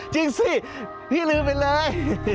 จริงสินี่ลืมไปเลย